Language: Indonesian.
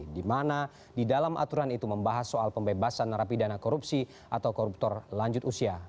di mana di dalam aturan itu membahas soal pembebasan narapidana korupsi atau koruptor lanjut usia